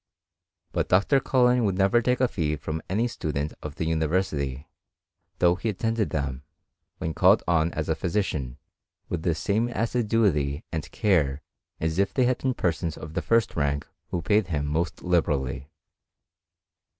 But Dr. Cullen never would take a fee from any sta CHEMISTRY IK GREAT BRITAIN. 311 dent of the uniyersity, though he attended them, when (^led on as a physician, with the same assiduity and care as if they had been persons of the first rank who paid him most liberally.